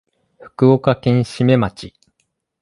福岡県志免町